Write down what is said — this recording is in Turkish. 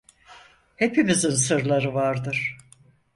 Hepimizin sırları vardır.